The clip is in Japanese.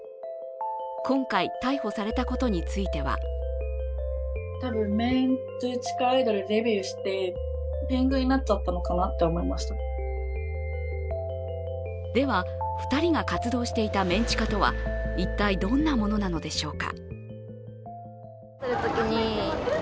今回、逮捕されたことについてはでは、２人が活動していたメン地下とは一体どんなものなのでしょうか。